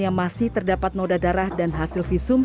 yang masih terdapat noda darah dan hasil visum